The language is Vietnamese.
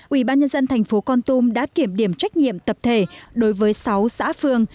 ubnd tp con tum đã kiểm điểm trách nhiệm tập thể đối với sáu xã phương